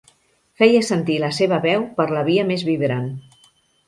Feia sentir la seva veu per la via més vibrant.